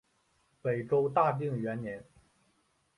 北周大定元年。